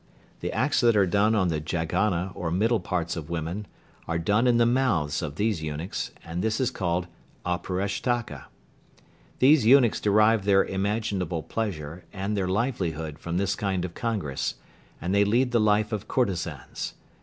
The acts that are done on the jaghana or middle parts of women, are done in the mouths of these eunuchs, and this is called Auparishtaka. These eunuchs derive their imaginable pleasure, and their livelihood from this kind of congress, and they lead the life of courtezans.